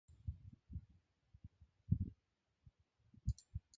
His mother was of Scottish descent.